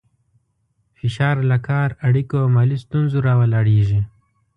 فشار له کار، اړیکو او مالي ستونزو راولاړېږي.